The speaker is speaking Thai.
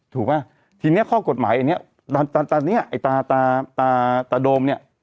ถูกไหมทีเนี้ยข้อกฎหมายไอ้เนี้ยตอนตอนตอนเนี้ยไอ้ตาตาตาตาโดมเนี้ย